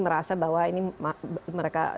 merasa bahwa ini mereka